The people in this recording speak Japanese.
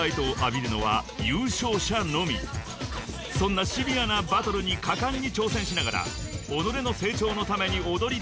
［そんなシビアなバトルに果敢に挑戦しながら己の］